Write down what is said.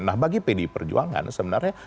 nah bagi pdi perjuangan sebenarnya